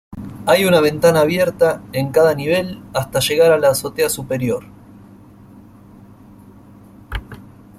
Hay una ventana abierta en cada nivel hasta llegar a la azotea superior.